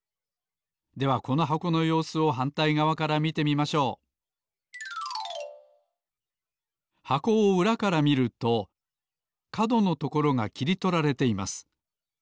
ではこの箱のようすをはんたいがわから見てみましょう箱をうらから見るとかどのところがきりとられています。